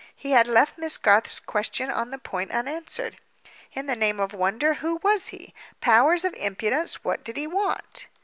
He had left Miss Garth's question on that point unanswered. In the name of wonder, who was he? Powers of impudence! what did he want?